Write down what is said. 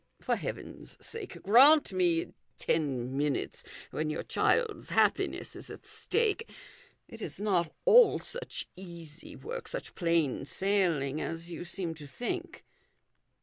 For Heaven's sake grant me ten minutes when your child's happiness is at stake. It is not all such easy work, such plain sailing as you seem to think."